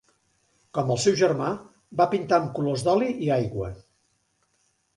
Com el seu germà, va pintar amb colors d'oli i aigua.